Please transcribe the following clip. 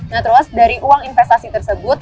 nah terus dari uang investasi tersebut